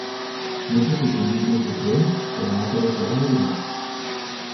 Necessito un bitllet de tren per anar a Torre-serona dimarts.